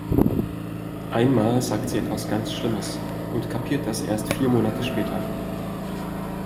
Einmal sagt sie etwas ganz schlimmes, und kapiert das erst vier Monate später.